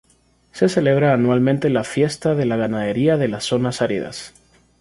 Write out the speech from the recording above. Se celebra anualmente la "Fiesta de la ganadería de las zonas áridas".